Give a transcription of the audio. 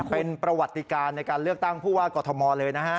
เป็นประวัติการในการเลือกตั้งผู้ว่ากอทมเลยนะฮะ